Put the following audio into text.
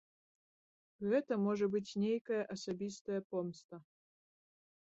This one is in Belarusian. Гэта можа быць нейкая асабістая помста.